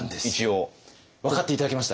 分かって頂けました？